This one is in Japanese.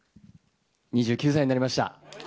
２９歳になりました。